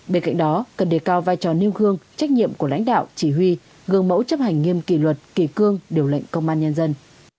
bên cạnh đó cần đề cao vai trò nêu gương trách nhiệm của lãnh đạo chỉ huy gương mẫu chấp hành nghiêm kỳ luật kỳ cương điều lệnh công an nhân dân